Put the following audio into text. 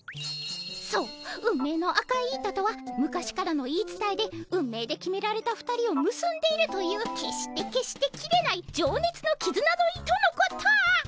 そう運命の赤い糸とは昔からの言い伝えで運命で決められた２人をむすんでいるという決して決して切れないじょうねつのきずなの糸のこと！